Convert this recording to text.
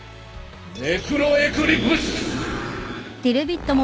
ネクロエクリプス！